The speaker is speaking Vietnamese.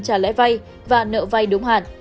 trả lẽ vay và nợ vay đúng hạn